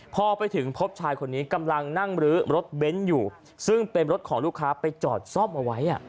พอไปถึงพบชายคนนี้กำลังนั่งรื้อรถเบนท์อยู่ซึ่งเป็นรถของลูกค้าไปจอดซ่อมเอาไว้